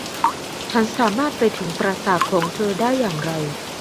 ฉันสามารถไปถึงปราสาทของเธอได้อย่างไร